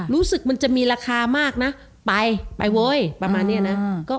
รู้สึกมันจะมีราคามากนะไปไปเว้ยประมาณเนี้ยนะ